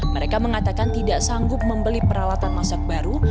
mereka mengatakan tidak sanggup membeli peralatan masak baru